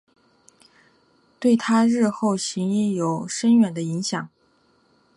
对她日后行医有深远的影响。